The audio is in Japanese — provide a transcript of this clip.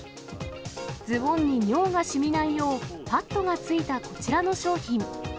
ズボンに尿がしみないよう、パットがついたこちらの商品。